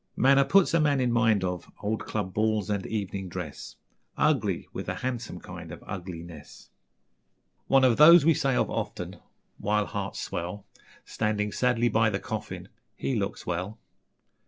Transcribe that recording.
Manner puts a man in mind of Old club balls and evening dress, Ugly with a handsome kind of Ugliness. ..... One of those we say of often, While hearts swell, Standing sadly by the coffin: 'He looks well.' ...